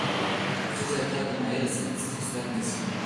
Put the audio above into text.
تبخیر زیاتره د مایع له سطحې څخه صورت نیسي.